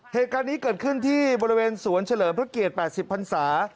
เหตุการณ์นี้เกิดขึ้นที่บริเวณสวนเฉลิมพระเกียรติ๘๐พันศา